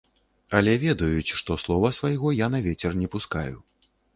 Але ведаюць, што слова свайго я на вецер не пускаю.